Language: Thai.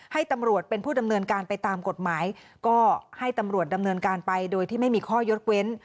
ให้ตำรวจเป็นผู้ดำเนินการไปตามกฎหมายก็ให้ตำรวจดำเนินการไปโดยที่ไม่มีข้อยกเว้น